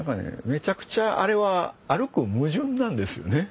めちゃくちゃあれは歩く矛盾なんですよね。